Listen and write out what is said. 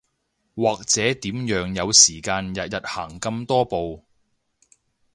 或者點樣有時間日日行咁多步